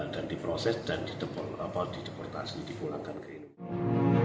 dan diproses dan dideportasi dipulangkan ke indonesia